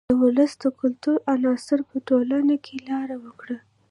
د ولس د کلتور عناصرو په ټولنه کې لار وکړه.